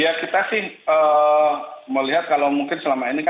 ya kita sih melihat kalau mungkin selama ini